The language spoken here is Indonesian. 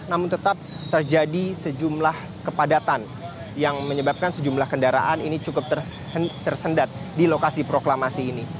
namun tetap terjadi sejumlah kepadatan yang menyebabkan sejumlah kendaraan ini cukup tersendat di lokasi proklamasi ini